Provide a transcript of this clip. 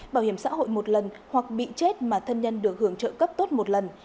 bảo hiểm xã hội một lần hoặc bị chết mà thân nhân được hưởng trợ cấp tốt một lần